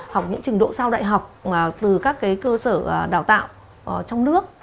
học những trình độ sau đại học từ các cơ sở đào tạo trong nước